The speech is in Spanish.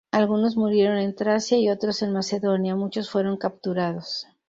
Algunos murieron en Tracia y otros en Macedonia, muchos fueron capturados.